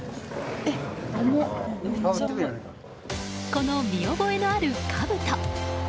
この見覚えのある、かぶと！